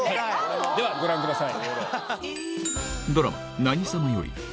ではご覧ください。